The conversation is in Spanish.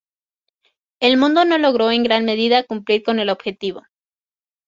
El mundo no logró en gran medida cumplir con el objetivo.